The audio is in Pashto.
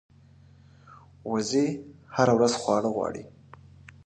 وزې هره ورځ خواړه غواړي